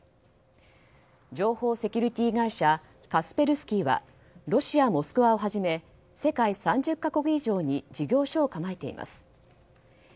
情報セキュリティー会社カスペルスキーはロシア・モスクワをはじめ世界３０か国以上に事業所を構えています。